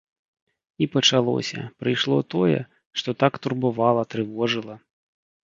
І пачалося, прыйшло тое, што так турбавала, трывожыла.